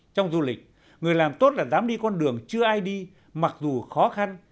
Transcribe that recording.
trong du lịch người làm tốt là dám đi con đường chưa ai đi mặc dù khó khăn